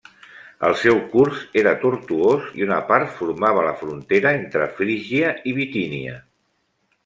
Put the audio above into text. El seu curs era tortuós i una part formava la frontera entre Frígia i Bitínia.